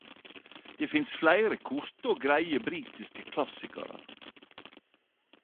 Det finst fleire korte og greie britiske klassikarar.